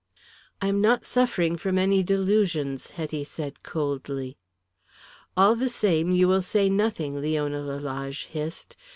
"I am not suffering from any delusions," Hetty said, coldly. "All the same, you will say nothing," Leona Lalage hissed.